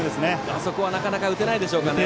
あそこはなかなか打てないですかね。